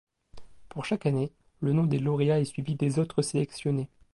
Pour chaque année, le nom des lauréats est suivi des autres sélectionnés.